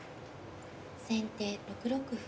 先手６六歩。